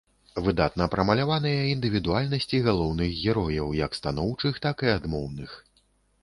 Выдатна прамаляваныя індывідуальнасці галоўных герояў, як станоўчых, так і адмоўных.